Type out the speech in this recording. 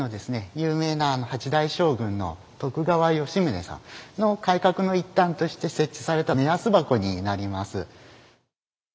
有名なあの８代将軍の徳川吉宗さんの改革の一端として設置された「目安箱」になります。